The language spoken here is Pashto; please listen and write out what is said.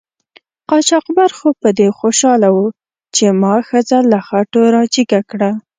قاچاقبر خو په دې خوشحاله و چې ما ښځه له خټو را جګه کړه.